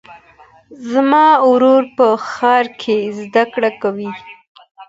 زما ورور په ښار کې زده کړې کوي.